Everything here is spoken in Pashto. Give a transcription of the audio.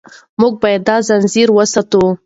موږ باید دا ځنځیر وساتو.